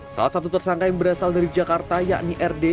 salah satu tersangka yang berasal dari jakarta yakni rd